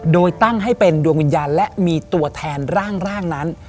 โดยตั้งให้เป็นดวงวิญญาณและมีตัวแทนร่างนั้น